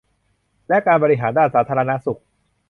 และการบริการด้านสาธารณสุข